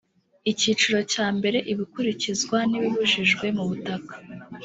icyiro cya mbere ibikurikizwa n ibibujijwe mubutaka